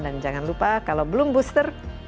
dan jangan lupa kalau belum booster